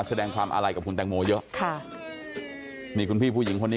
แสดงความอาลัยกับคุณแตงโมเยอะค่ะนี่คุณพี่ผู้หญิงคนนี้